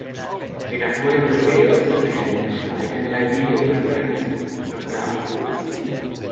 It acquired the Breyers and Light 'N Lively yoghurt brands from Kraft Foods.